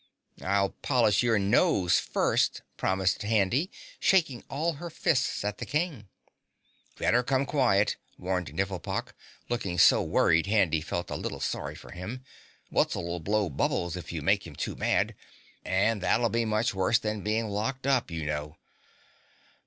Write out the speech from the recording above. "I'll polish your nose first!" promised Handy, shaking all her fists at the King. "Better come quiet," warned Nifflepok, looking so worried Handy felt a little sorry for him. "Wutz'll blow bubbles if you make him too mad, and that'll be much worse than being locked up, you know."